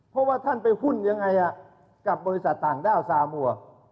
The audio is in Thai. เพราะว่าท่านไปหุ้นยังไงกับบริษัทต่างด้าวซามัว